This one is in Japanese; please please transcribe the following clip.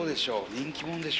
人気者でしょ。